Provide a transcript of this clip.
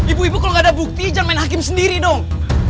ibu ibu kalau nggak ada bukti jangan main hakim sendiri dong